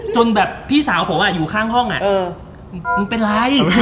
จนแบบพี่สาวผมอยู่ข้างห้องอะ